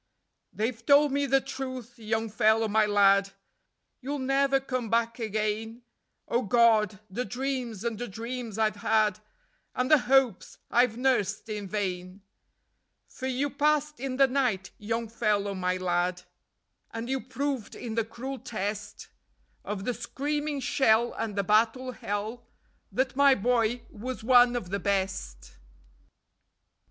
..... "They've told me the truth, Young Fellow My Lad: You'll never come back again: (OH GOD! THE DREAMS AND THE DREAMS I'VE HAD, AND THE HOPES I'VE NURSED IN VAIN!) For you passed in the night, Young Fellow My Lad, And you proved in the cruel test Of the screaming shell and the battle hell That my boy was one of the best.